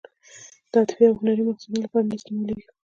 د عاطفي او هنري مقصدونو لپاره نه استعمالېږي.